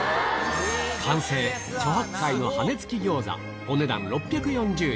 完成、豚八戒の羽根つき餃子、お値段６４０円。